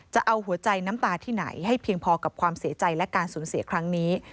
จะเอาหัวใจน้ำตาที่ไหนให้เพียงพอกับความเสียใจและการสูญเสียครั้งนี้